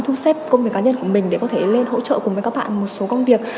thu xếp công việc cá nhân của mình để có thể lên hỗ trợ cùng với các bạn một số công việc